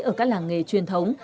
ở các làng nghề truyền thống